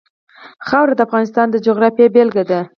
خاوره د افغانستان د جغرافیې بېلګه ده.